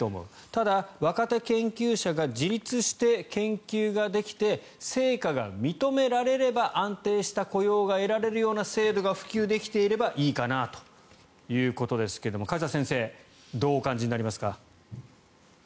ただ若手研究者が自立して研究ができて成果が認められれば安定した雇用が得られるような制度が普及できていればいいかなということですけど梶田先生どうお感じになりますか。